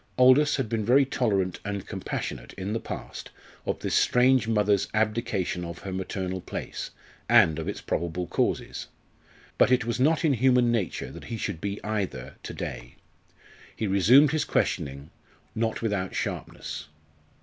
Aldous had been very tolerant and compassionate in the past of this strange mother's abdication of her maternal place, and of its probable causes. But it was not in human nature that he should be either to day. He resumed his questioning, not without sharpness.